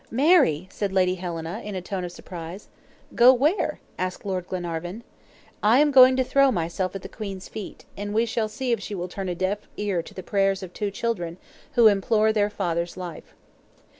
"Mary!" said Lady Helena, in a tone of surprise. "Go where?" asked Lord Glenarvan. "I am going to throw myself at the Queen's feet, and we shall see if she will turn a deaf ear to the prayers of two children, who implore their father's life."